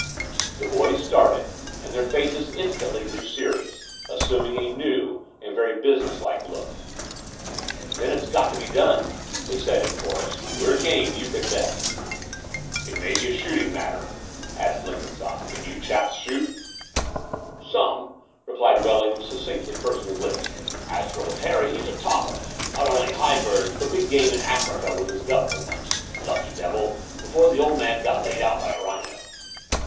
The boys started ; and their faces instantly grew serious, assuming a new and very businesslike look. "Then it's got to be done," they said in chorus. "We're game, you can bet." "It may be a shooting matter," added Blenkin sopp. " Can you chaps shoot ?" 256 The Door of the Unreal "Some," replied Wellingham succinctly, pursing his lips: "and as for old Harry, he's a topper, not only high birds, but big game in Africa with his guv'nor once, lucky devil, before the old man got laid out by a rhino.''